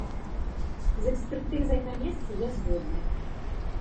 З экспертызай на месцы я згодны.